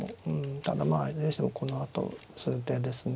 ただまあいずれにしてもこのあと数手ですね。